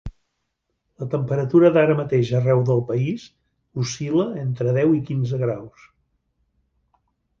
La temperatura d'ara mateix arreu del país oscil·la entre deu i quinze graus.